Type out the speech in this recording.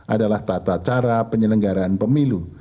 adalah tata cara penyelenggaraan pemilu